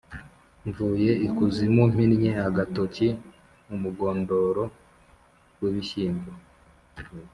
Mvuye ikuzimu mpinnye agatoki-Umugondoro w'ibishyimbo.